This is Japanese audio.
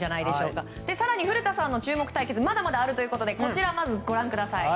更に、古田さんの注目対決がまだまだあるということでこちらをご覧ください。